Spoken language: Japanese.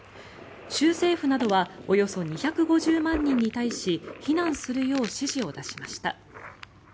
州政府などはおよそ２５０万人に対し避難するよう指示を出しました。